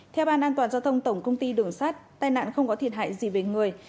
theo ban an toàn giao thông tổng công ty đường sát tai nạn không có thiệt hại gì về người